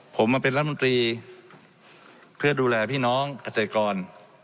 ผมมาเป็นรัฐมนตรีเพื่อดูแลพี่น้องเกษตรกร